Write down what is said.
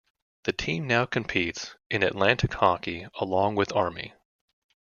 The team now competes in Atlantic Hockey along with Army.